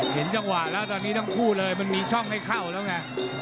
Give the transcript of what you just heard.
เห็นจังหวะแล้วตอนนี้ทั้งคู่เลยมันมีช่องให้เข้าแล้วไง